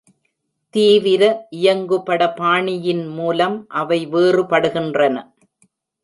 தீவிர இயங்குபட பாணியின் மூலம் அவை வேறுபடுகின்றன.